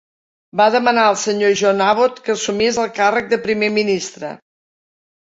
Va demanar al Sr. John Abbott que assumís el càrrec de primer ministre.